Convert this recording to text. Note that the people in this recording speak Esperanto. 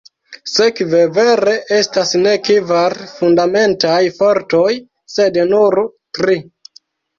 Sekve, vere estas ne kvar fundamentaj fortoj sed nur tri.